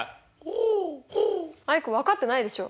アイク分かってないでしょ？